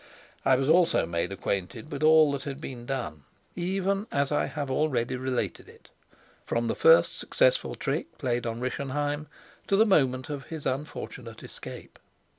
I was also made acquainted with all that had been done, even as I have already related it, from the first successful trick played on Rischenheim to the moment of his unfortunate escape.